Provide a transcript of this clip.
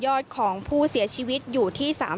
ส่วนสบนิรนามทั้ง๓คนที่แพทย์ขอความร่วมมือก่อนหน้านี้นะคะ